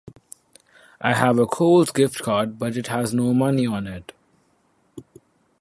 I have a Kohl's gift card but it has no money on it.